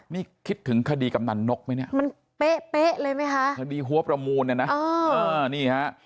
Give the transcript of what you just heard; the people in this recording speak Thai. นี่คิดถึงคดีกำหนันนกไหมเนี่ยเปะเลยไหมค่ะคดีหัวประมูลเนี่ยนะ